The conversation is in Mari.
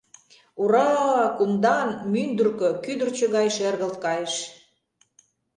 «Ур-р-а-а-а!» — кумдан, мӱндыркӧ кӱдырчӧ гай шергылт кайыш.